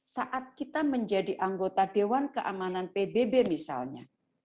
saat kita menjadi anggota dewan keamanan pbb misalnya